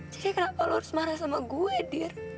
cici kenapa lo harus marah sama gue dir